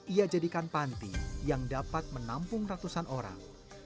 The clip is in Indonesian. ia jadikan panti yang dapat menampung ratusan orang